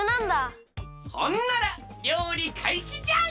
ほんならりょうりかいしじゃ！